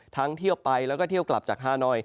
เที่ยวไปแล้วก็เที่ยวกลับจากฮานอย